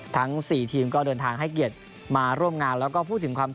ทั้ง๔ทีมก็เดินทางให้เกียรติมาร่วมงาน